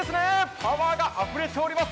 パワーがあふれております。